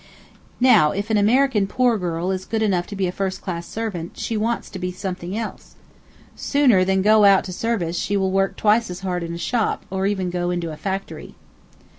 Now, if an American poor girl is good enough to be a first class servant, she wants to be something else. Sooner than go out to service she will work twice as hard in a shop, or even go into a factory.